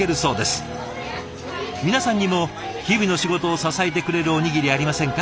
皆さんにも日々の仕事を支えてくれるおにぎりありませんか？